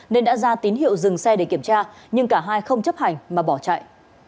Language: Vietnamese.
nên đã ra tín hiệu dừng xe để kiểm tra nhưng cả hai không chấp hành mà bỏ chạy